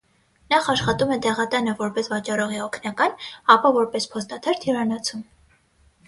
Նախ աշխատում է դեղատանը որպես վաճառողի օգնական, ապա որպես փոստատար հյուրանոցում։